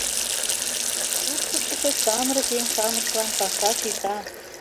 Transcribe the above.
Шупшыктышо самырык еҥ-шамычлан паша сита.